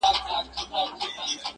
ورکړې یې بوسه نه ده وعده یې د بوسې ده,